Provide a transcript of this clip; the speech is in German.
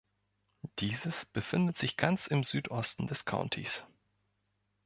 Dieses befindet sich ganz im Südosten des Countys.